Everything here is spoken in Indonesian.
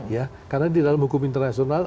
ya karena di dalam hukum internasional